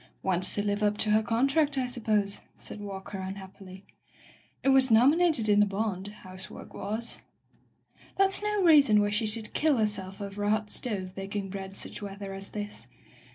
'' "Wants to live up to her contract, I sup pose/' said Walker unhappily. "It was nom inated in the bond — ^housework was." "That's no reason why she should kill herself over a hot stove baking bread such weather as this.